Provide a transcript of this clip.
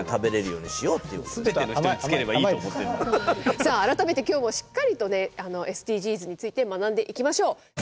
さあ改めて今日もしっかりとねＳＤＧｓについて学んでいきましょう！